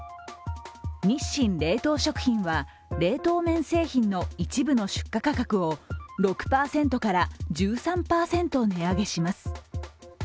日清冷凍食品は、冷凍麺製品の一部の出荷価格を６％から１３％値上げします。